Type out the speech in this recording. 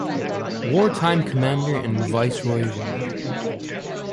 Wartime commander and Viceroy of India.